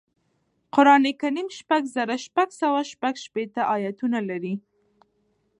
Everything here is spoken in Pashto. قرآن کریم شپږ زره شپږسوه شپږشپیتمه اياتونه لري